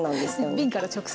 瓶から直接。